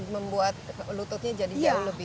membuat lututnya jadi jauh lebih